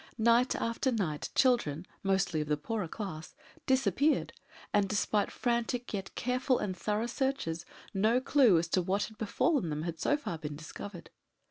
Night after night children mostly of the poorer class disappeared, and despite frantic yet careful and thorough searches, no clue as to what had befallen them had, so far, been discovered.